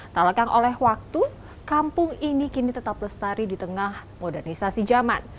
tak lekang oleh waktu kampung ini kini tetap lestari di tengah modernisasi zaman